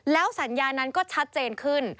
แล้วสัญญานั้นก็ชัดเจนขึ้น